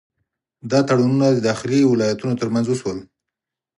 دا تړونونه د داخلي ولایتونو ترمنځ وشول.